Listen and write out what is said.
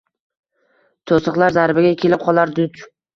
To’siqlar zarbiga kelib qolar duch.